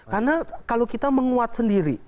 karena kalau kita menguat sendiri